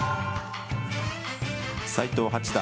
斎藤八段